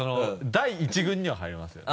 第一軍には入りますよね。